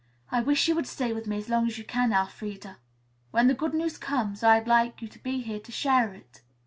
"I wish you would stay with me as long as you can, Elfreda. When the good news comes, I'd like you to be here to share it."